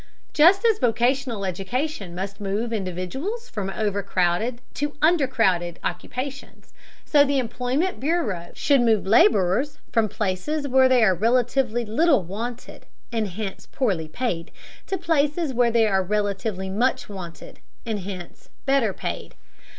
Just as vocational education must move individuals from overcrowded to undercrowded occupations, so the employment bureau should move laborers from places where they are relatively little wanted, and hence poorly paid, to places where they are relatively much wanted, and hence better paid.